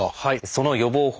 その予防法